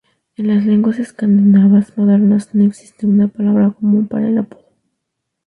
En las lenguas escandinavas modernas, no existe una palabra común para el apodo.